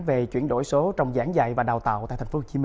về chuyển đổi số trong giảng dạy và đào tạo tại tp hcm